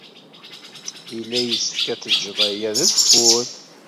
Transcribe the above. Yella yessefk ad tejjeḍ aya d ufur.